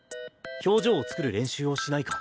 表情を作る練習をしないか？